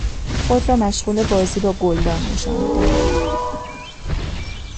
خود را مشغول بازی با گلدان نشان میدهد